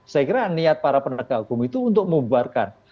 saya kira niat para penegak hukum itu untuk membubarkan